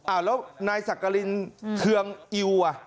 อ่าวแล้วนายสักกะลิ้นเทืองอิวอ่ะ